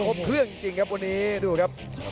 ดาบดำเล่นงานบนเวลาตัวด้วยหันขวา